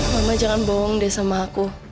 mama jangan bohong deh sama aku